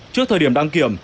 trước thời điểm đăng kiểm